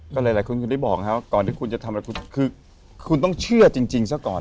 ก็หลายคนก็ได้บอกนะครับก่อนที่คุณจะทำอะไรคุณคือคุณต้องเชื่อจริงซะก่อน